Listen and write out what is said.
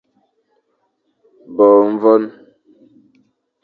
Bo vyoñ.